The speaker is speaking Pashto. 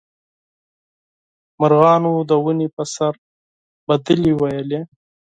مرغانو د ونې په سر سندرې ویلې.